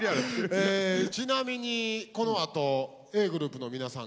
ちなみにこのあとＡぇ！ｇｒｏｕｐの皆さんがね